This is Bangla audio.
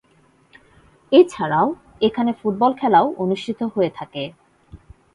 এছাড়াও, এখানে ফুটবল খেলাও অনুষ্ঠিত হয়ে থাকে।